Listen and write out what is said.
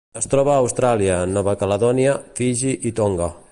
Es troba a Austràlia, Nova Caledònia, Fiji i Tonga.